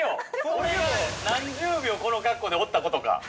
俺が何十秒、この格好でおったことか。